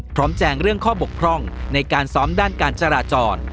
แจงเรื่องข้อบกพร่องในการซ้อมด้านการจราจร